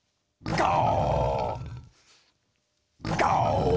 ガオ！